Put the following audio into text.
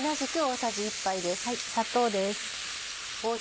砂糖です。